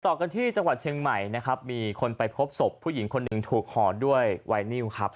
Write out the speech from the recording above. ต่อกันที่จังหวัดเชียงใหม่นะครับมีคนไปพบศพผู้หญิงคนหนึ่งถูกห่อด้วยไวนิวครับ